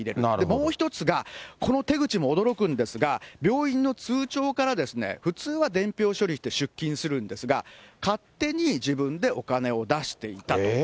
もう一つが、この手口も驚くんですが、病院の通帳から普通は伝票処理して出金するんですが、勝手に自分でお金を出していたと。